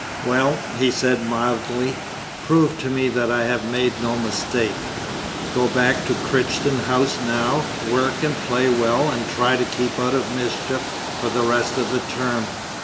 "Well," he said mildly, "prove to me that I have made no mistake. Go back to Crichton House now, work and play well, and try to keep out of mischief for the rest of the term.